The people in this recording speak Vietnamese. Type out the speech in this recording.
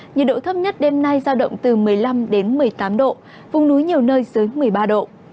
nhiệt độ thấp nhất đêm nay giao động từ một mươi năm đến một mươi tám độ vùng núi nhiều nơi dưới một mươi ba độ